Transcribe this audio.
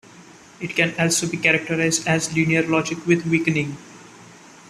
It can also be characterized as linear logic with weakening.